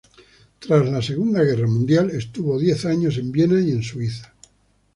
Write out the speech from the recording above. Tras la Segunda Guerra Mundial estuvo diez años en Viena y en Suiza.